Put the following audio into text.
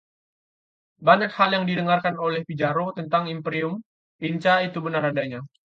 Banyak hal yang didengar oleh Pizzaro tentang imperium Inca itu benar adanya.